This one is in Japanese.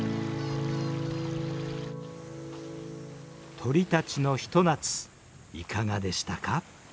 鳥たちの一夏いかがでしたか？